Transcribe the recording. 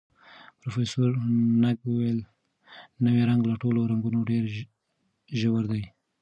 پروفیسر نګ وویل، نوی رنګ له ټولو رنګونو ډېر ژور دی.